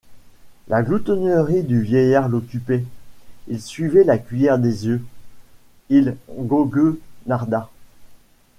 La gloutonnerie du vieillard l’occupait, il suivait la cuillère des yeux, il goguenarda.